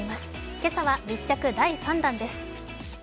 今朝は密着第３弾です。